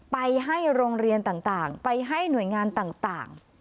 ไปให้โรงเรียนต่างไปให้หน่วยงานต่าง